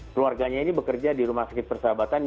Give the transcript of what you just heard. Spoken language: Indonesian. keluarganya ini bekerja di rumah sakit persahabatan